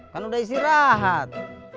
kan udah istirahat